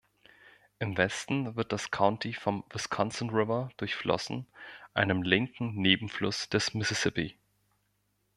Im Westen wird das County vom Wisconsin River durchflossen, einem linken Nebenfluss des Mississippi.